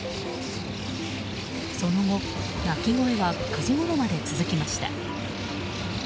その後、鳴き声は９時ごろまで続きました。